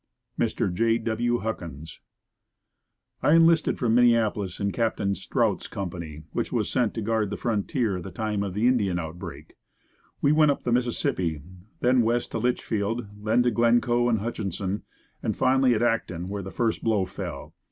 Mr. J. W. Huckins. I enlisted from Minneapolis in Captain Strout's company which was sent to guard the frontier at the time of the Indian outbreak. We went up the Mississippi, then west to Litchfield, then to Glencoe and Hutchinson and were finally at Acton, where the first blow fell.